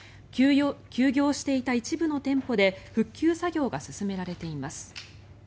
休業していた一部の店舗で復旧作業が進められています。